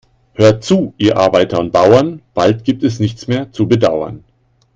Hört zu, ihr Arbeiter und Bauern, bald gibt es nichts mehr zu bedauern.